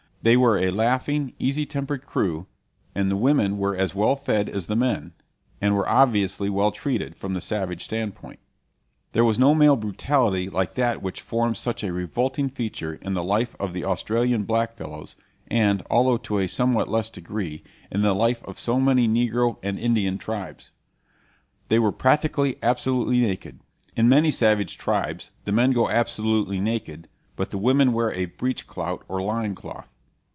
They were a laughing, easy tempered crew, and the women were as well fed as the men, and were obviously well treated, from the savage standpoint; there was no male brutality like that which forms such a revolting feature in the life of the Australian black fellows and, although to a somewhat less degree, in the life of so many negro and Indian tribes. They were practically absolutely naked. In many savage tribes the men go absolutely naked, but the women wear a breech clout or loincloth.